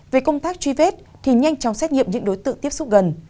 về công tác truy vết thì nhanh chóng xét nghiệm những đối tượng tiếp xúc gần